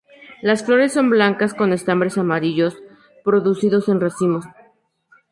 Las flores son blancas con estambres amarillos, producidos en racimos.